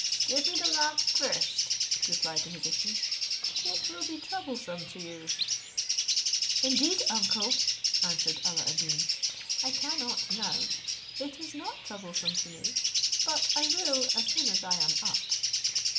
"Give me the lamp first," replied the magician; "it will be troublesome to you." "Indeed, uncle," answered Alla ad Deen, "I cannot now; it is not troublesome to me: but I will as soon as I am up."